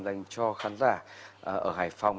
dành cho khán giả ở hải phòng